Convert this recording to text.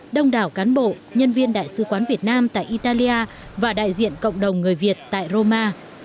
đông đảo cán bộ nhân viên đại sứ quán việt nam tại italia và đại diện cộng đồng người việt tại roma